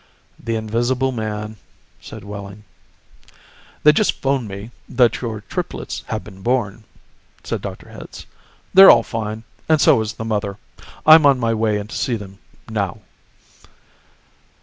"The invisible man," said Wehling. "They just phoned me that your triplets have been born," said Dr. Hitz. "They're all fine, and so is the mother. I'm on my way in to see them now."